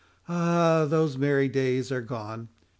Ah! those merry days are gone.